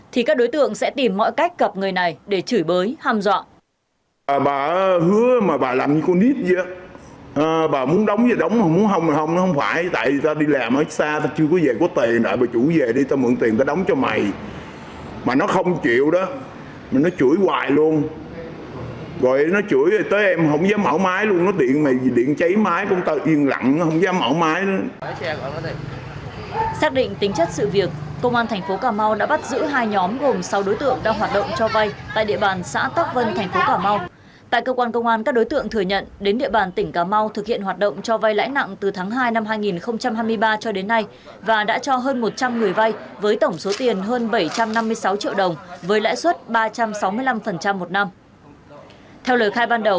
thì các đối tượng sẽ tìm mọi cách gặp người này để chửi bới hàm dọa